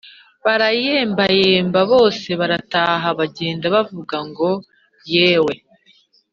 barayembayemba bose barataha bagenda bavuga ngo yewe;